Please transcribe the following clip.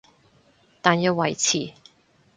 但要維持